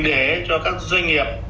để cho các doanh nghiệp